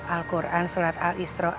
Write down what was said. al quran surat al isra'at